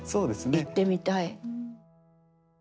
行ってみたい。